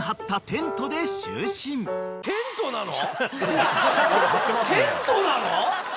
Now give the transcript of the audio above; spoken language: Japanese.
テントなの！？